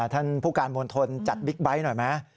ท่านผู้การมณฑลจัดบิ๊กไบท์หน่อยไหม